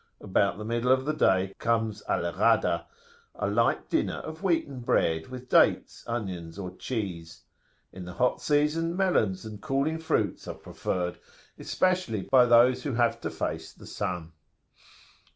About the middle of the day comes 'Al Ghada,' a light dinner of wheaten bread, with dates, onions or cheese: in the hot season melons and cooling [p.183] fruits are preferred, especially by those who have to face the sun.